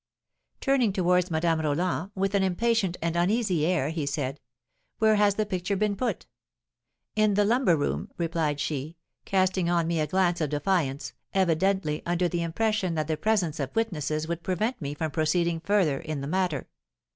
Turning towards Madame Roland, with an impatient and uneasy air, he said, 'Where has the picture been put?' 'In the lumber room,' replied she, casting on me a glance of defiance, evidently under the impression that the presence of witnesses would prevent me from proceeding further in the matter.